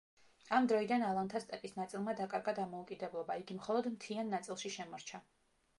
ამ დროიდან ალანთა სტეპის ნაწილმა დაკარგა დამოუკიდებლობა, იგი მხოლოდ მთიან ნაწილში შემორჩა.